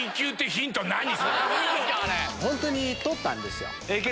本当に取ったんですよ